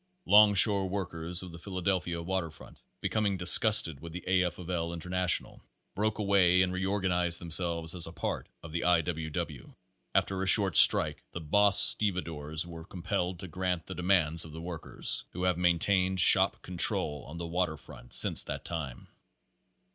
Longshore workers of the Philadelphia waterfront, becoming disgusted with the A. F. of L. International, broke away and reorganized themselves as a part of the I. W. W. After a short strike the boss stevedores were compelled to grant the demands of the workers, who have maintained shop control on the water front since that time.